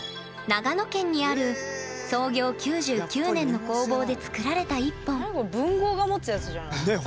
長野県にある創業９９年の工房で作られた一本。